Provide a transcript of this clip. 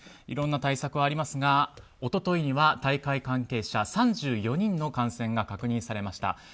いろんな対策がありますが一昨日には大会関係者３４人の感染が確認されました。